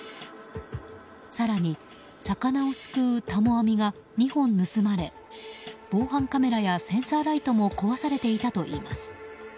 更に、魚をすくうたも網が２本盗まれ防犯カメラやセンサーライトも壊されていたといいます。